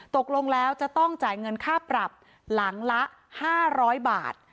ตกลงแล้วจะต้องจ่ายเงินค่าปรับหลังละ๕๐๐บาท